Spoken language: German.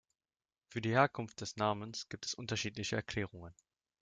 Für die Herkunft des Namens gibt es unterschiedliche Erklärungen.